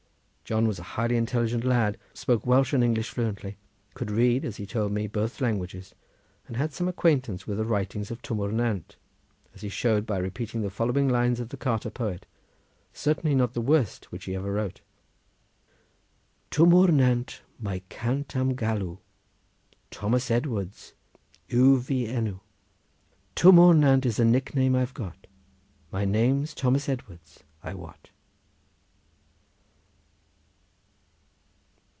John was a highly intelligent lad, spoke Welsh and English fluently, could read, as he told me, both languages, and had some acquaintance with the writings of Twm o'r Nant, as he showed by repeating the following lines of the carter poet, certainly not the worst which he ever wrote:— "Twm o'r Nant mae cant a'm galw Tomas Edwards yw fy enw. Tom O Nant is a nickname I've got, My name's Thomas Edwards, I wot."